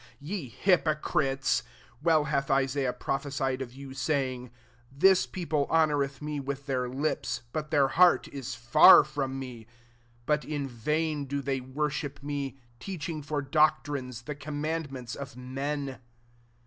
T " ^e hypocrites, well hath Isaiah prophesied of you, say ing, 8 * This people honoureth me with their lips ; but their heart is far from me : 9 but in Tain do they worship me, teach ing/w doctrines the command ments of men.'